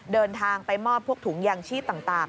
เดินทางไปมอบพวกถุงยางชีพต่าง